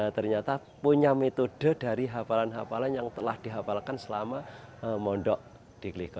ternyata punya metode dari hafalan hafalan yang telah dihapalkan selama mondok di klikop